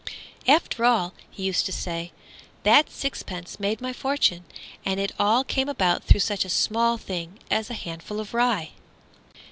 "After all," he used to say, "that sixpence made my fortune. And it all came about through such a small thing as a handful of rye!"